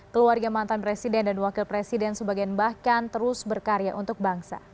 keluarga mantan presiden dan wakil presiden sebagian bahkan terus berkarya untuk bangsa